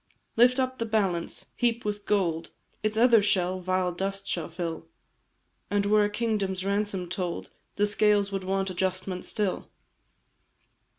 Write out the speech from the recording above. "Lift up the balance heap with gold, Its other shell vile dust shall fill; And were a kingdom's ransom told, The scales would want adjustment still.